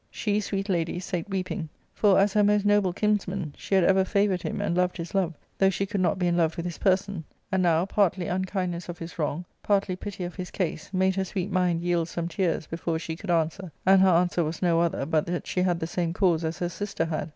She, sweet lady, sate weeping ; for, as her most noble kins man, she had ever favoured him and loved his love, though she could not be in love with his person ; and now, partly unkindness of his wrong, partly pity of his case, made her sweet mind yield some tears before she could answer, and her answer was no other but that she had the same cause as her sister had.